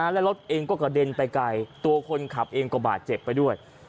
และรถเองก็กระเด็นไปไกลตัวคนขับเองก็บาดเจ็บไปด้วย